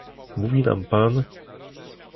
Mówi nam pan